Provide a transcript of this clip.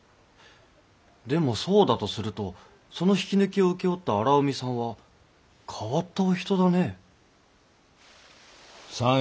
でもそうだとするとその引き抜きを請け負った荒海さんは変わったお人だねえ。